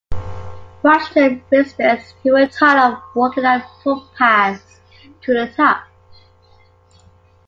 Washington residents who were tired of walking up footpaths to the top.